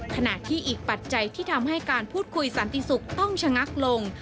ขณะที่อีกปัจจัยที่ทำให้การพูดคุยสันติสุขต้องชะงักลง